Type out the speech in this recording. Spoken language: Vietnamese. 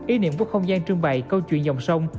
ý niệm của không gian trưng bày câu chuyện dòng sông